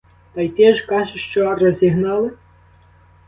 Та й ти ж кажеш, що розігнали?